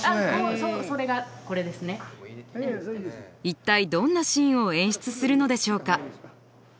一体どんなシーンを演出するのでしょうか？